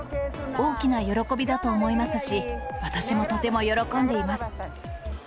大きな喜びだと思いますし、私もとても喜んでいます。